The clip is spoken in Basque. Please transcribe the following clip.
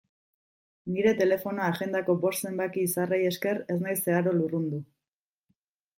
Nire telefono-agendako bost zenbaki izarrei esker ez naiz zeharo lurrundu.